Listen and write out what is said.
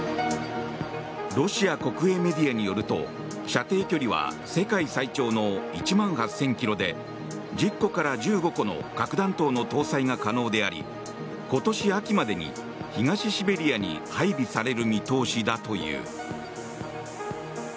ロシア国営メディアによると射程距離は世界最長の１万８０００ｋｍで１０個から１５個の核弾頭の搭載が可能であり今年秋までに東シベリアに配備される見通しだという。